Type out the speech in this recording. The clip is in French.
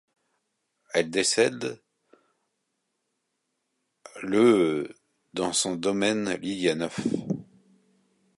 Elle décède le dans son domaine Lilienhoff.